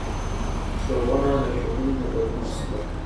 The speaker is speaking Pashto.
ښوونه د ټولنې د بدلون وسیله ده